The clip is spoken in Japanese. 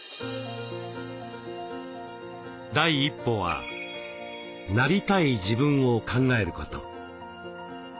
第一歩は「なりたい自分」を考えること。